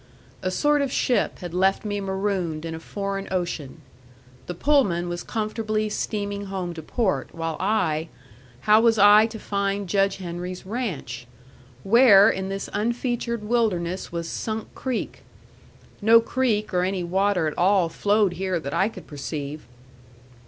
A sort of ship had left me marooned in a foreign ocean; the Pullman was comfortably steaming home to port, while I how was I to find Judge Henry's ranch? Where in this unfeatured wilderness was Sunk Creek? No creek or any water at all flowed here that I could perceive.